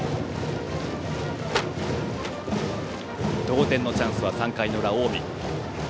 同点のチャンス、３回の裏の近江。